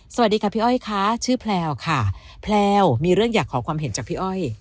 สวัสดีค่ะพี่อ้อยค่ะชื่อแพลวค่ะแพลวมีเรื่องอยากขอความเห็นจากพี่อ้อย